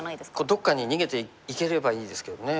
どっかに逃げていければいいですけどね。